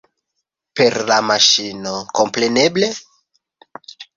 Per la maŝino, kompreneble?